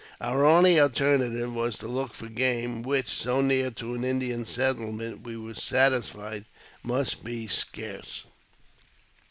Our only alternative was to look for game, which, so near to an Indian settlement, we were satisfied must be scarce.